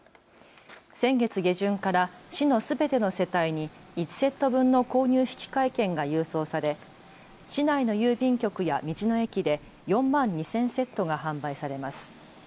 先月下旬から市のすべての世帯に１セット分の購入引換券が郵送され市内の郵便局や道の駅で４万２０００セットが販売されます。